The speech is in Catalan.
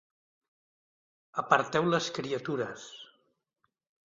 Aparteu les criatures!